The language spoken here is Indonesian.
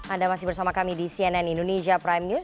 anda masih bersama kami di cnn indonesia prime news